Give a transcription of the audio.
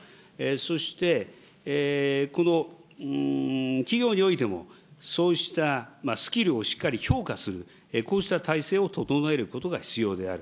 そして企業においても、そうしたスキルをしっかり評価する、こうした体制を整えることが必要である。